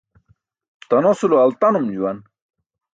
Tanosulo altanum juwan.